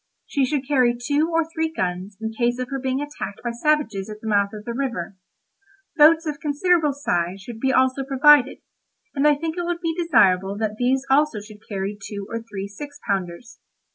She should carry two or three guns in case of her being attacked by savages at the mouth of the river. Boats of considerable size should be also provided, and I think it would be desirable that these also should carry two or three six pounders.